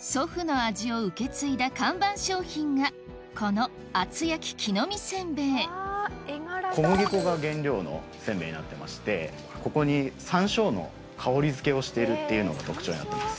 祖父の味を受け継いだ看板商品がこの小麦粉が原料の煎餅になってましてここに山椒の香りづけをしているっていうのが特徴になってます。